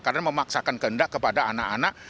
karena memaksakan kehendak kepada anak anak